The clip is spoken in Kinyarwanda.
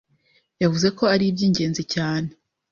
yavuze ko ari iby’ingenzi cyane